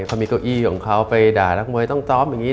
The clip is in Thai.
เขามีเก้าอี้ของเขาไปด่านักมวยต้องซ้อมอย่างนี้